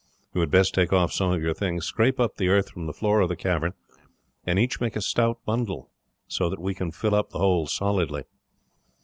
You had best take off some of your things, scrape up the earth from the floor of the cavern, and each make a stout bundle, so that we can fill up the hole solidly."